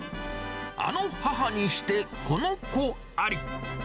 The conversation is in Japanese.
あの母にしてこの子あり。